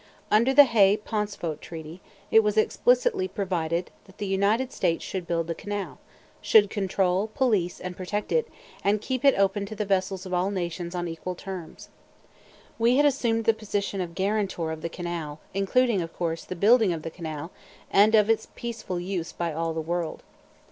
Under the Hay Pauncefote Treaty, it was explicitly provided that the United States should build the canal, should control, police and protect it, and keep it open to the vessels of all nations on equal terms. We had assumed the position of guarantor of the canal, including, of course, the building of the canal, and of its peaceful use by all the world.